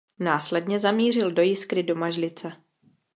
Následně zamířil do Jiskry Domažlice.